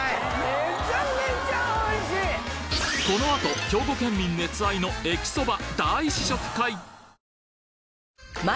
このあと兵庫県民熱愛のえきそば